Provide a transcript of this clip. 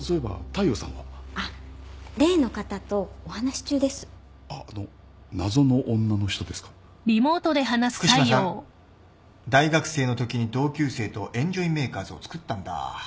福島さん大学生のときに同級生とエンジョイメーカーズをつくったんだ。